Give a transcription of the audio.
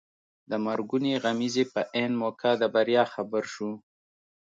د مرګونې غمیزې په عین موقع د بریا خبر شو.